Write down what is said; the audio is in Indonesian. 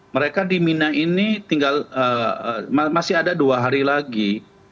mereka di mina ini tinggal masih ada dua hari lagi